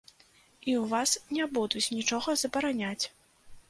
І ў вас не будуць нічога забараняць.